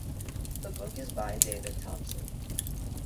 The book is by David Thompson.